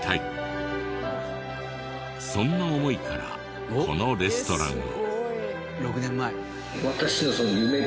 そんな思いからこのレストランを。